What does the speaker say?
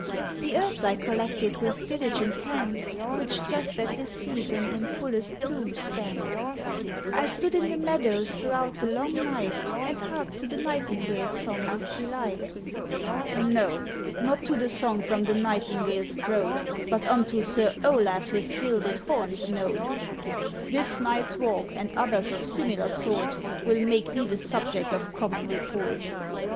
ŌĆ£The herbs I collected with diligent hand, Which just at this season in fullest bloom stand. ŌĆ£I stood in the meadows throughout the long night, And harked to the nightingaleŌĆÖs song with delight. ŌĆØ ŌĆ£No! not to the song from the nightingaleŌĆÖs throat, But unto Sir Olaf his gilded hornŌĆÖs note. ŌĆ£This nightŌĆÖs walk, and others of similar sort, Will make thee the subject of common report.